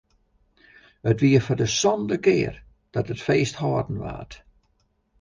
It wie foar de sânde kear dat it feest hâlden waard.